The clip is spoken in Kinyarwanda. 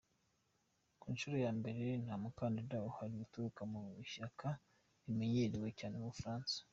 Ku nshuro ya mbere, nta mukandida uhari uturuka mu ishyaka rimenyerewe cyane mu Bufaransa.